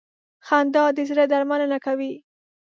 خندا د زړه درملنه کوي.